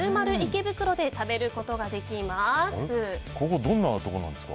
池袋で食べることができます。